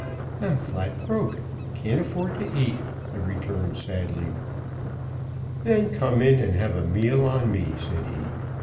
"I'm flat broke can't afford to eat," I returned sadly. "Then come in and have a meal on me," said he.